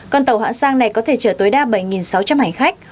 con tàu hãng sang này có thể chở tối đa bảy sáu trăm linh hành khách